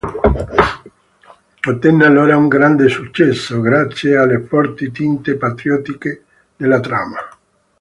Ottenne allora un grande successo, grazie alle forti tinte patriottiche nella trama.